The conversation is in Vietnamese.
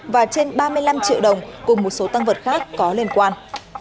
và trên ba mươi năm triệu đồng cùng một số tăng vật khác có liên quan